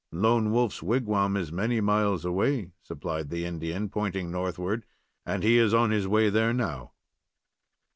"Lone Wolf's wigwam is many miles away," supplied the Indian, pointing northward, "and he is on his way there now."